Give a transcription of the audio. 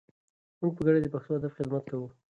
موږ په ګډه د پښتو ادب خدمت کوو.